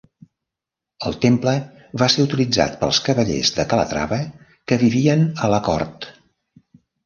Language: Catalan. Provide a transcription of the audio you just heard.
El temple va ser utilitzat pels cavallers de Calatrava que vivien a la cort.